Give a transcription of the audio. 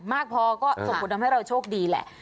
มากพอก็ส่งผลทำให้เราโชคดีแหละ